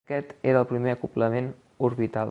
Aquest era el primer acoblament orbital.